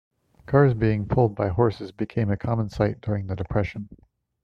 Cars being pulled by horses became a common sight during the Depression.